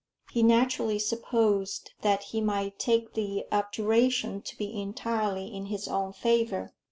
He naturally supposed that he might take the abjuration to be entirely in his own favor.